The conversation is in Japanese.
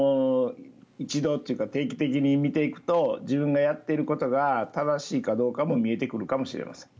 一度というか定期的に見ていくと自分がやっていることが正しいかどうかも見えてくるかもしれません。